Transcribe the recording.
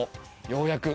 ようやく！